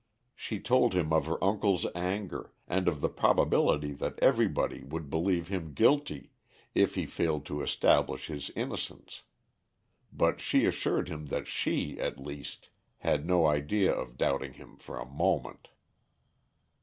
She told him of her uncle's anger, and of the probability that everybody would believe him guilty if he failed to establish his innocence; but she assured him that she, at least, had no idea of doubting him for a moment.